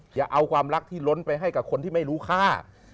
อย่าเอาความรักที่ล้นไปให้กับคนที่ไม่รู้ค่า